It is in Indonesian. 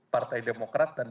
partai demokrat dan